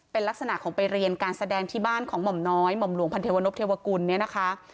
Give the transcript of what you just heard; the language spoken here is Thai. เป็นลักษณะของไปเรียนการแสดงที่บ้านของหม่อมน้อยหม่อมหลวงพันเทวนพเทวกุลเนี่ยนะคะ